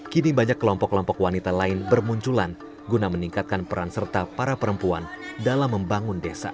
kini banyak kelompok kelompok wanita lain bermunculan guna meningkatkan peran serta para perempuan dalam membangun desa